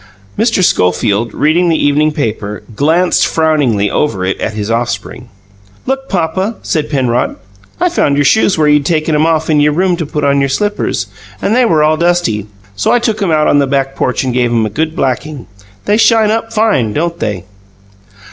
Mr. Schofield, reading the evening paper, glanced frowningly over it at his offspring. "Look, papa," said Penrod. "I found your shoes where you'd taken 'em off in your room, to put on your slippers, and they were all dusty. So I took 'em out on the back porch and gave 'em a good blacking. They shine up fine, don't they?"